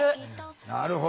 なるほど。